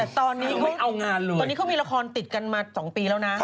แต่ตอนนี้เขาไม่เอางานเลยตอนนี้เขามีละครติดกันมา๒ปีแล้วนะ